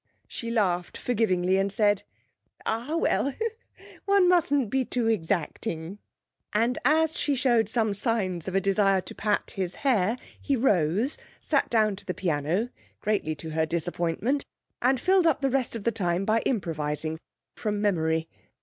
She laughed forgivingly and said: 'Ah, well, one mustn't be too exacting!' and as she showed some signs of a desire to pat his hair he rose, sat down to the piano, greatly to her disappointment, and filled up the rest of the time by improvising (from memory).